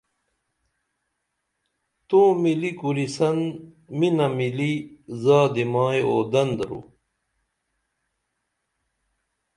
تومِلی کُریسن مِنہ مِلی زادی مائی اودن درو